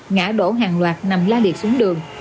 ngã đổ hàng loạt nằm la liệt xuống đường